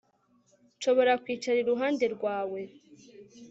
nshobora kwicara iruhande rwawe